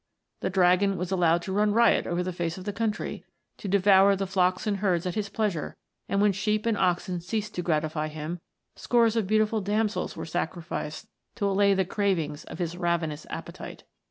The dragon was allowed to run riot over the face of the country ; to devour the flocks and herds at his pleasure ; and when sheep and oxen ceased to gratify him, scores of beautiful damsels were sacri ficed to allay the cravings of his ravenous appe tite.